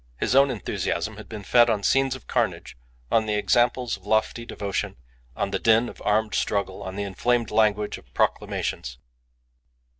His own enthusiasm had been fed on scenes of carnage, on the examples of lofty devotion, on the din of armed struggle, on the inflamed language of proclamations.